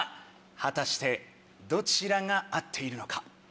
果たしてどちらが合っているのか？